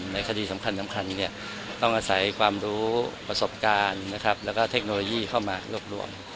ในคดีสำคัญต้องอาศัยความรู้ประสบการณ์แล้วก็เทคโนโลยีเข้ามารวบรวม